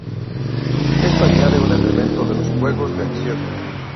Esto añade un elemento de los juegos de acción.